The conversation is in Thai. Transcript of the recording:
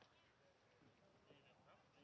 สวัสดีครับ